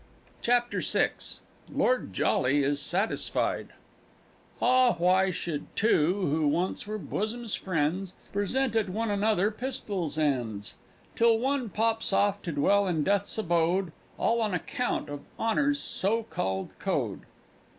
CHAPTER VI LORD JOLLY IS SATISFIED Ah, why should two, who once were bosom's friends, Present at one another pistol ends? Till one pops off to dwell in Death's Abode All on account of Honour's so called code!